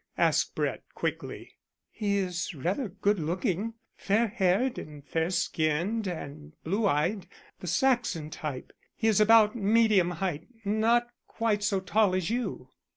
asked Brett quickly. "He is rather good looking; fair haired and fair skinned and blue eyed the Saxon type. He is about medium height not quite so tall as you."